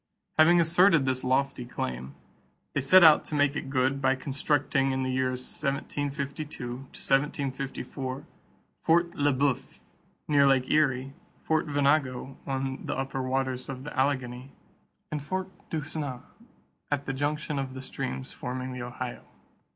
Having asserted this lofty claim, they set out to make it good by constructing in the years 1752 1754 Fort Le Boeuf near Lake Erie, Fort Venango on the upper waters of the Allegheny, and Fort Duquesne at the junction of the streams forming the Ohio.